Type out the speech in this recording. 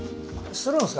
するんすか？